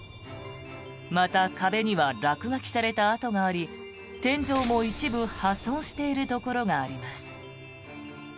また、壁には落書きされた跡があり天井も一部破損しているところがあります。